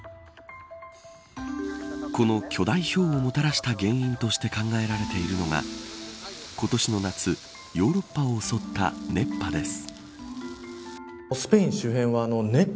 この巨大ひょうをもたらした原因として考えられているのが今年の夏ヨーロッパを襲った熱波です。